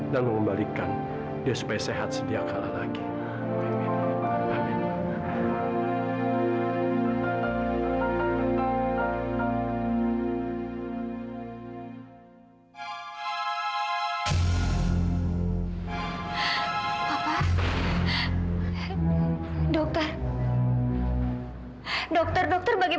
dan mengembalikan dia supaya sehat setiap kala lagi